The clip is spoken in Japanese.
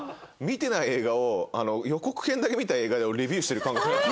見てない映画を予告編だけ見た映画で俺レビューしてる感覚になって。